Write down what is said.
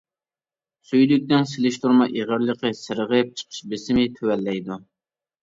سۈيدۈكنىڭ سېلىشتۇرما ئېغىرلىقى، سىرغىپ چىقىش بېسىمى تۆۋەنلەيدۇ.